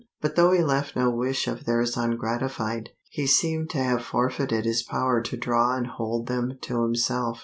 But though he left no wish of theirs ungratified, he seemed to have forfeited his power to draw and hold them to himself.